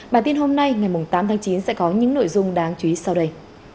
bản tin hôm nay ngày tám tháng chín sẽ có những nội dung đáng chú ý sau đây